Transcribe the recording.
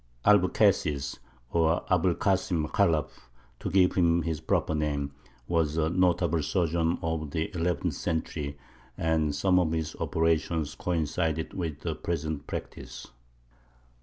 Albucasis (or Abu l Kāsim Khalaf, to give him his proper name) was a notable surgeon of the eleventh century, and some of his operations coincided with the present practice.